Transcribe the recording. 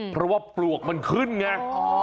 เพราะว่าปลวกมันขึ้นไง